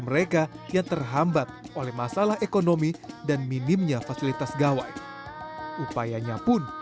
mereka yang terhambat oleh masalah ekonomi dan minimnya fasilitas gawai upayanya pun